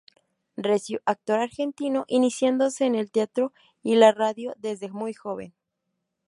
Recio actor argentino, iniciándose en el teatro y la radio, desde muy joven.